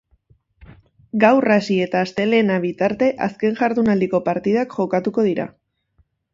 Gaur hasi eta astelehena bitarte azken jardunaldiko partidak jokatuko dira.